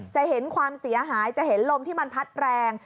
จะเห็นความเสียหายจะเห็นลมที่มันพัดแรง